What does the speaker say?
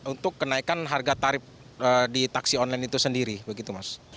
untuk kenaikan harga tarif di taksi online itu sendiri begitu mas